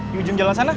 di ujung jalan sana